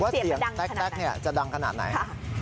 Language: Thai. เสียงแต๊กจะดังขนาดไหน